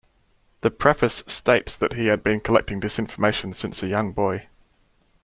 The preface states that he had been collecting this information since a young boy.